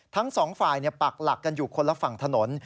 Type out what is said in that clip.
ทั้งสองฝ่ายปักหลักกันอยู่คนละฝั่งถนน